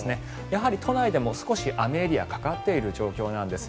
やはり都内でも少し雨エリアかかっている状況です。